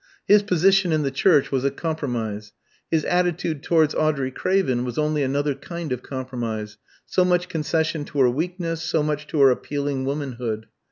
His position in the Church was a compromise. His attitude towards Audrey Craven was only another kind of compromise, so much concession to her weakness, so much to her appealing womanhood.